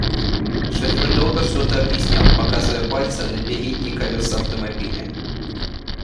Шофёр долго что-то объяснял, показывая пальцем на передние колёса автомобиля.